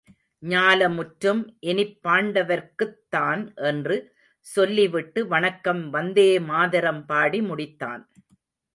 ஞால முற்றும் இனிப் பாண்டவர்க்குத் தான் என்று சொல்லிவிட்டு, வணக்கம் வந்தே மாதரம் பாடி முடித்தான்.